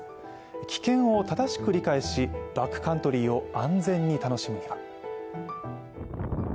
危険を正しく理解しバックカントリーを安全に楽しむには。